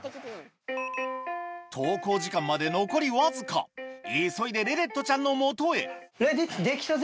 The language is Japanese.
登校時間まで残りわずか急いでレデットちゃんの元へレデットできたぜ！